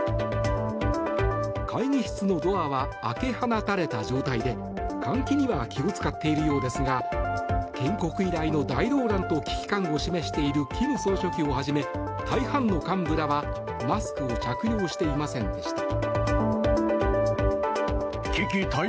会議室のドアは開け放たれた状態で換気には気を使っているようですが建国以来の大動乱と危機感を示している金総書記に対して大半の幹部らはマスクを着用していませんでした。